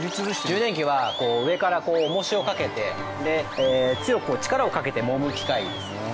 揉捻機は上から重しをかけて強く力をかけて揉む機械です。